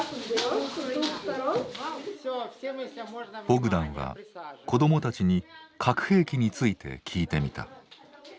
ボグダンは子どもたちに核兵器について聞いてみた。